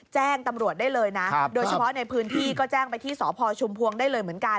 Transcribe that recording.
แจ้งตำรวจได้เลยนะโดยเฉพาะในพื้นที่ก็แจ้งไปที่สพชุมพวงได้เลยเหมือนกัน